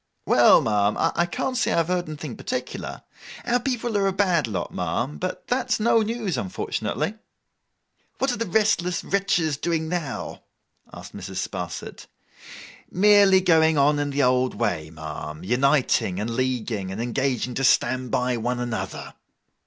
'Well, ma'am, I can't say that I have heard anything particular. Our people are a bad lot, ma'am; but that is no news, unfortunately.' 'What are the restless wretches doing now?' asked Mrs. Sparsit. 'Merely going on in the old way, ma'am. Uniting, and leaguing, and engaging to stand by one another.